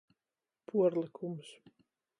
Puorlykums.